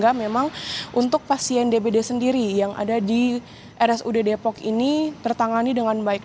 sehingga memang untuk pasien dbd sendiri yang ada di rsud depok ini tertangani dengan baik